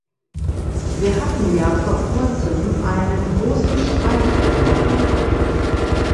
Wir hatten ja vor kurzem einen großen Streik in Dänemark.